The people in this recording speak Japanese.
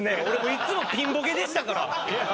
俺いつもピンボケでしたから。